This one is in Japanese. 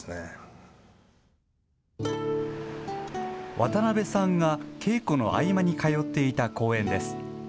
渡辺さんが稽古の合間に通っていた公園です。